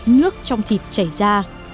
nước trong thịt chảy ra